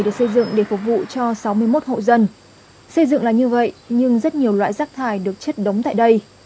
các hộ dân xây dựng là như vậy nhưng rất nhiều loại rác thải được chất đóng tại đây